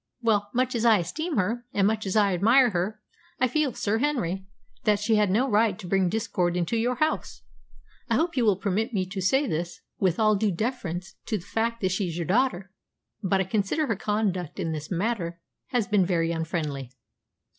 "Well, much as I esteem her, and much as I admire her, I feel, Sir Henry, that she had no right to bring discord into your house. I hope you will permit me to say this, with all due deference to the fact that she's your daughter. But I consider her conduct in this matter has been very unfriendly."